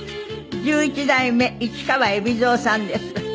十一代目市川海老蔵さんです。